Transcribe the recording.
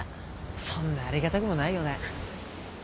そんなありがたくもないよね。